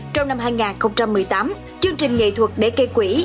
trong năm hai nghìn một mươi tám chương trình nghệ thuật đế kê quỷ